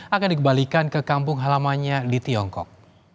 akan dikembalikan ke kampung halamannya di tiongkok